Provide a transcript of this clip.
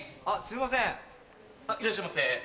いらっしゃいませ。